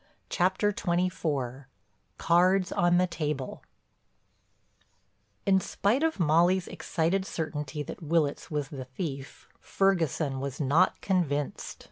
CHAPTER XXIV—CARDS ON THE TABLE In spite of Molly's excited certainty that Willitts was the thief, Ferguson was not convinced.